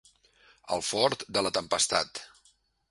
Al fort de la tempestat.